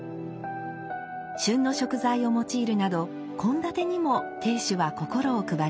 旬の食材を用いるなど献立にも亭主は心を配ります。